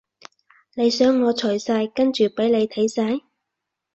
你想我除晒跟住畀你睇晒？